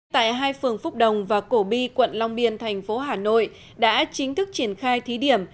tại hai phường phúc đồng và cổ bi quận long biên thành phố hà nội đã chính thức triển khai thí điểm